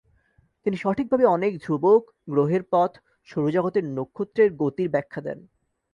তিনি সঠিকভাবে অনেক ধ্রুবক, গ্রহের পথ, সৌরজগতের নক্ষত্রের গতির ব্যাখ্যা দেন।